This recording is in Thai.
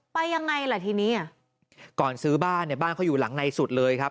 ไปยังไงล่ะทีนี้อ่ะก่อนซื้อบ้านเนี่ยบ้านเขาอยู่หลังในสุดเลยครับ